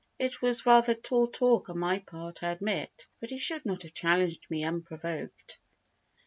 It was rather tall talk on my part, I admit, but he should not have challenged me unprovoked.